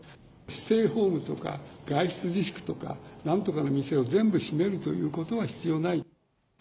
ステイホームとか、外出自粛とか、なんとかの店を全部閉めるという必要ない。